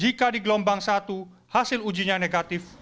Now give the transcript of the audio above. jika di gelombang satu hasil ujinya negatif